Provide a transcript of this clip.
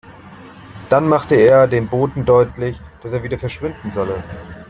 Dann machte er dem Boten deutlich, dass er wieder verschwinden solle.